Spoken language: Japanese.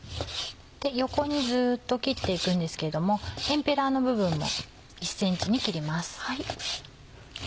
横にずっと切って行くんですけれどもエンペラの部分も１ｃｍに切ります。